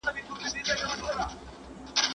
دروېشه! جابر یو و او ځپلی ولس ډېر